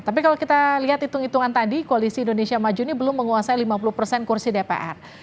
tapi kalau kita lihat hitung hitungan tadi koalisi indonesia maju ini belum menguasai lima puluh persen kursi dpr